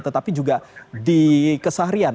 tetapi juga di kesahrian